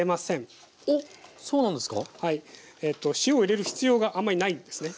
塩を入れる必要があんまりないんですね。